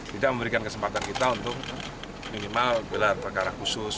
tidak memberikan kesempatan kita untuk minimal gelar perkara khusus